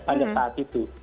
pada saat itu